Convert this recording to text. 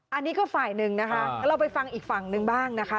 อันนี้ก็ฝ่ายหนึ่งนะคะเราไปฟังอีกฝั่งหนึ่งบ้างนะคะ